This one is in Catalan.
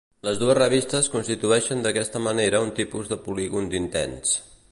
Les dues revistes constitueixen d'aquesta manera un tipus de polígon d'intents.